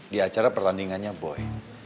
di acara perlandingannya boy